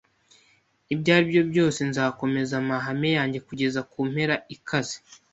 Ibyo aribyo byose, nzakomeza amahame yanjye kugeza kumpera ikaze.